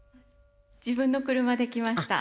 自分の車で来ました。